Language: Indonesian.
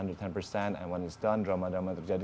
dan ketika itu selesai drama drama terjadi